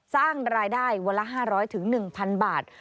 สร้างรายได้วันละ๕๐๐๑๐๐บาท